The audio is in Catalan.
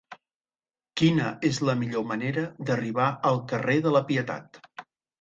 Quina és la millor manera d'arribar al carrer de la Pietat?